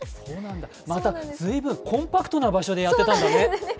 また随分コンパクトな場所でやってたんだね。